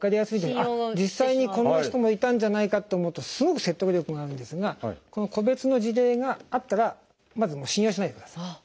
実際にこんな人もいたんじゃないかと思うとすごく説得力があるんですがこの個別の事例があったらまず信用しないでください。